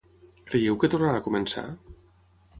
Creieu que tornarà a començar?